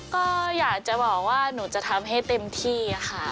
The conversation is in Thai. ก็อยากจะบอกว่าหนูจะทำให้เต็มที่ค่ะ